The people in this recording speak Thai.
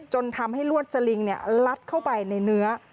จนทำให้ลวดสลิงลัดเข้าไปในเนื้อ